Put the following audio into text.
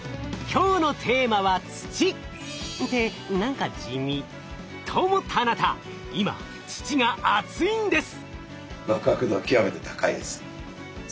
今日のテーマは土！って何か地味。と思ったあなた今土があついんです！